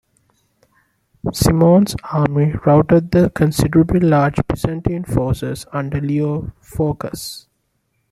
Simeon's army routed the considerably larger Byzantine forces under Leo Phocas.